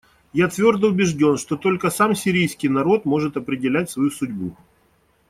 Я твердо убежден, что только сам сирийский народ может определять свою судьбу.